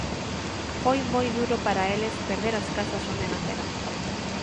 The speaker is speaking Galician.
Foi moi duro para eles perder as casas onde naceran.